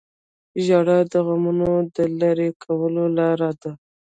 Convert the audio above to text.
• ژړا د غمونو د لرې کولو لاره ده.